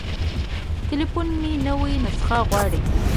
تليفون مې نوې نسخه غواړي.